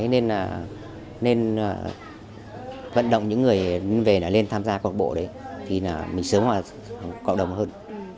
nên vận động những người về là lên tham gia cộng đồng đấy thì mình sớm hòa cộng đồng hơn